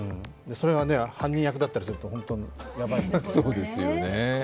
それが犯人役だったりすると、本当にやばいんです。